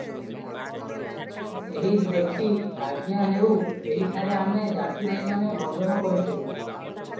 ଏହି ଦେଖି ଆଜ୍ଞାହେଉ, ଏହିଠାରେ ଆମେ ଜାତିଭାଇମାନେ ଭୋଜନ କରିଥିଲୁଁ ।